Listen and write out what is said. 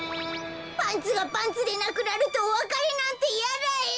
パンツがパンツでなくなるとおわかれなんてやだよ！